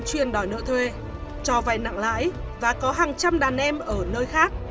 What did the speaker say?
chuyên đòi nợ thuê cho vay nặng lãi và có hàng trăm đàn em ở nơi khác